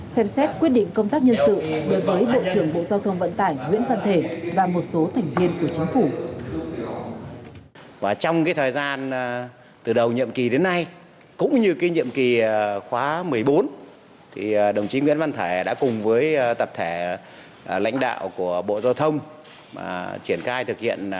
xem xét quyết định công tác nhân sự đối với bộ trưởng bộ giao thông vận tải nguyễn văn thể và một số thành viên của chính phủ